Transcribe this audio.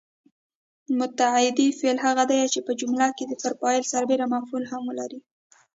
متعدي فعل هغه دی چې په جمله کې پر فاعل سربېره مفعول هم لري.